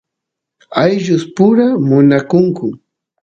ayllus pura munakunku